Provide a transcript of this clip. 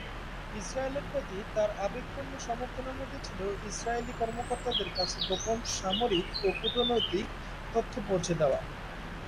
ইজরায়েলের প্রতি তার আবেগপূর্ণ সমর্থনের মধ্যে ছিল ইজরায়েলি কর্মকর্তাদের কাছে গোপন সামরিক ও কূটনৈতিক তথ্য পৌঁছে দেওয়া।